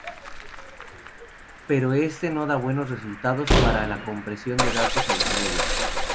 Pero este no da buenos resultados para la compresión de datos multimedia.